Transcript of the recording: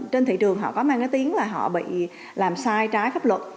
trên thị trường họ có mang cái tiếng là họ bị làm sai trái pháp luật